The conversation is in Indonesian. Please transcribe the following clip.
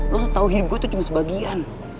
lo tuh tau hidup gue cuma sebagian